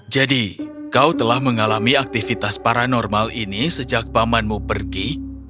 jadi kau telah mengalami aktivitas paranormal ini sejak pamanmu pergi